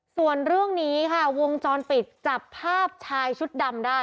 ส่วนเรื่องนี้ค่ะวงจรปิดจับภาพชายชุดดำได้